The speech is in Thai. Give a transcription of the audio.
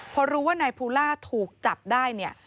พอรู้ว่านายภูล่าถูกจับได้เนี่ย